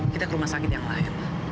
kita ke rumah sakit yang lain